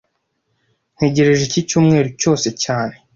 Ntegereje iki cyumweru cyose cyane